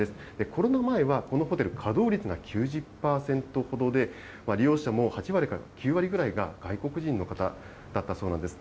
コロナ前はこのホテル、稼働率が９０％ほどで、利用者も８割から９割ぐらいが外国人の方だったそうなんです。